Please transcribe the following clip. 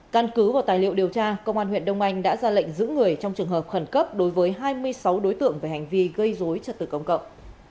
căn cứ vào tài liệu điều tra công an huyện đông anh đã ra lệnh giữ người trong trường hợp khẩn cấp đối với hai mươi sáu đối tượng về hành vi gây dối trật tự công cộng